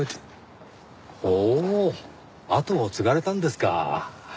ほう後を継がれたんですか。